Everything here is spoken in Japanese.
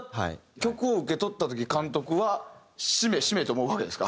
曲を受け取った時監督はしめしめと思うわけですか？